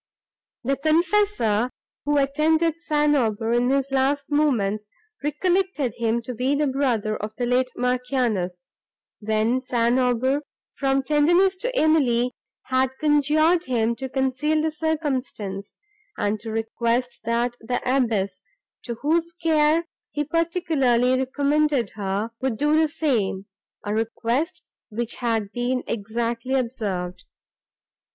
The confessor, who attended St. Aubert in his last moments, recollected him to be the brother of the late Marchioness, when St. Aubert, from tenderness to Emily, had conjured him to conceal the circumstance, and to request that the abbess, to whose care he particularly recommended her, would do the same; a request, which had been exactly observed.